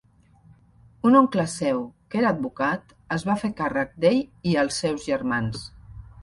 Un oncle seu, que era advocat, es va fer càrrec d'ell i els seus germans.